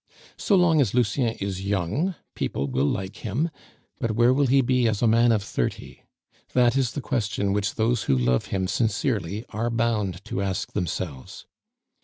So long as Lucien is young, people will like him; but where will he be as a man of thirty? That is the question which those who love him sincerely are bound to ask themselves.